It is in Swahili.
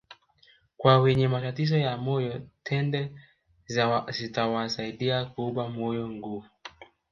Kwa wenye matatizo ya moyo tende zitawasaidia kuupa moyo nguvu